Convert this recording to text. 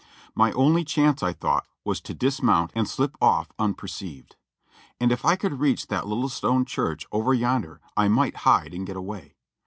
My only chance, I thought, was to dismount and slip off un perceived ; and if I could reach that little stone church over yonder, I might hide and get away.